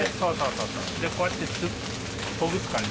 こうやってほぐす感じ。